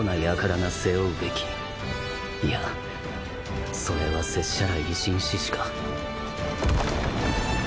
いやそれは拙者ら維新志士か。